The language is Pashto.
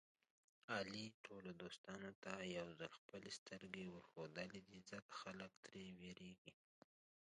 علي ټولو دوستانو ته یوځل خپلې سترګې ورښودلې دي. ځکه خلک تر وېرېږي.